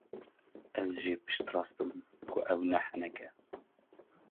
Ez jê piştrast im ku ev ne henek e.